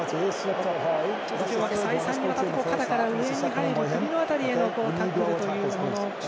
再三にわたって、肩から上に入る首の辺りへのタックルというもの。